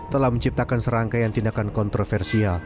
telah menciptakan serangkaian tindakan kontroversial